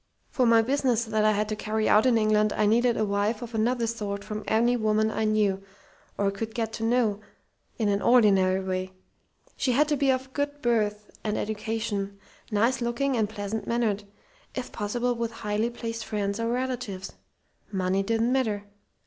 "For my business that I had to carry out in England I needed a wife of another sort from any woman I knew, or could get to know, in an ordinary way; she had to be of good birth and education, nice looking and pleasant mannered if possible with highly placed friends or relatives. Money didn't matter.